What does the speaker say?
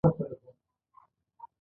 ښایست د رښتینې مینې عکس دی